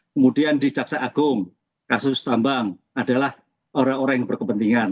kemudian di jaksa agung kasus tambang adalah orang orang yang berkepentingan